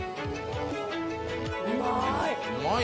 うまい！